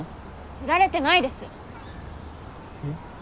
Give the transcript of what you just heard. フラれてないですうん？